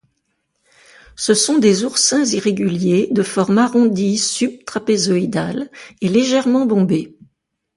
Ce sont des oursins irréguliers de forme arrondie sub-trapézoïdale et légèrement bombée.